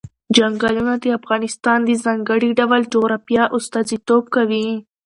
چنګلونه د افغانستان د ځانګړي ډول جغرافیه استازیتوب کوي.